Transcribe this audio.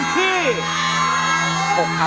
ตั้งแต่มาแล้วอันแรกยังไม่ใช่